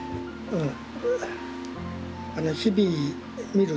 うん。